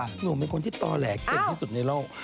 หนุ่มเป็นคนที่ต่อแหลกเก่งที่สุดในโลก